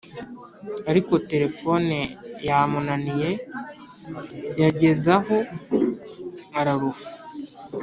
ariko terefone yamunaniye, yagezaho araruha